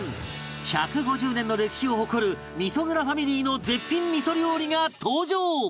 １５０年の歴史を誇る味噌蔵ファミリーの絶品味噌料理が登場！